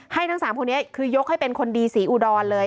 ให้นั้น๓คนก็ยกให้เป็นคนดีสีอูดรเลย